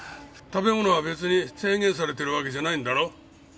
食べ物は別に制限されてるわけじゃないんだろ？